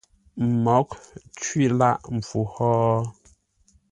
Mǒghʼ cwî lâʼ mpfu hó?